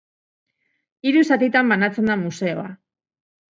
Hiru zatitan banatzen da museoa.